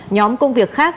nhóm công việc khác